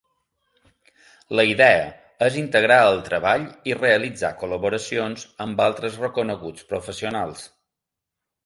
La idea és integrar el treball i realitzar col·laboracions amb altres reconeguts professionals.